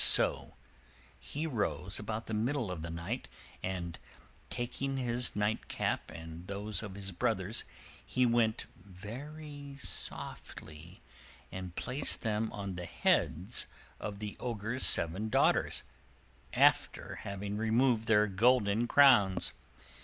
So he rose about the middle of the night, and, taking his nightcap and those of his brothers, he went very softly and placed them on the heads of the Ogre's seven daughters, after having removed their golden crowns.